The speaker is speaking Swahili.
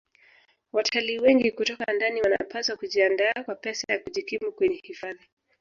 Watalii wengi kutoka ndani wanapaswa kujiandaa kwa pesa ya kujikimu kwenye hifadhi